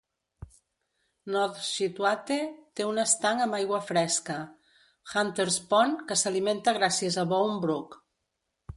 North Scituate té un estanc amb aigua fresca, Hunter's Pond, que s'alimenta gràcies a Bound Brook.